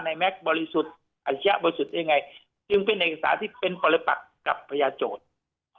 แม็กซ์บริสุทธิ์อัชยะบริสุทธิ์ยังไงจึงเป็นเอกสารที่เป็นปริปักกับพญาโจทย์